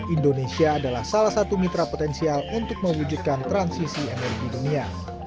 indonesia adalah salah satu mitra potensial untuk mewujudkan transisi energi dunia